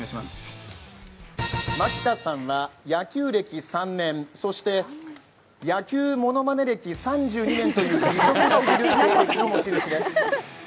牧田さんは、野球歴３年、そして野球モノマネ歴３２年という異色すぎる経歴の持ち主です。